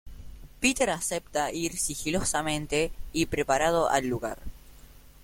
Peter acepta ir sigilosamente y preparado al lugar.